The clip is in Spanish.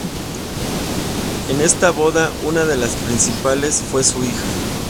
En esta boda una de las principales fue su hija.